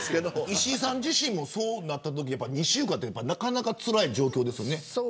石井さん自身もそうなったとき、２週間はなかなかつらい状況ですよね。